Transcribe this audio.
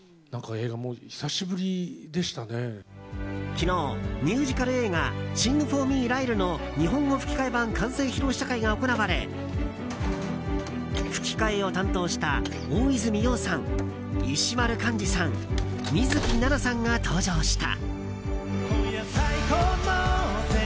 昨日、ミュージカル映画「シング・フォー・ミー、ライル」の日本語吹き替え版完成披露試写会が行われ吹き替えを担当した大泉洋さん石丸幹二さん、水樹奈々さんが登場した。